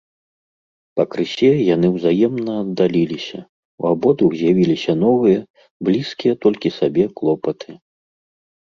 Пакрысе яны ўзаемна аддаліліся, у абодвух з’явіліся новыя, блізкія толькі сабе клопаты.